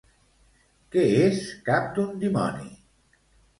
Què és Cap d'un dimoni?